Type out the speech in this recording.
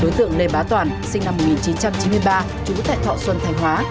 đối tượng lê bá toàn sinh năm một nghìn chín trăm chín mươi ba trú tại thọ xuân thành hóa